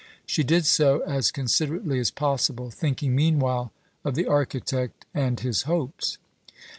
She did so as considerately as possible, thinking meanwhile of the architect and his hopes.